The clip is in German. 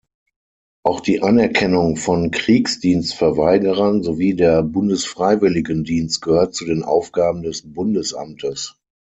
Auch die Anerkennung von Kriegsdienstverweigerern sowie der Bundesfreiwilligendienst gehört zu den Aufgaben des Bundesamtes.